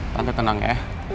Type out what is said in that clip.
tante tenang ya